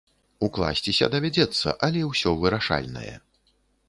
Укласціся давядзецца, але ўсё вырашальнае.